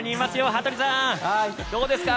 羽鳥さん、どうですか。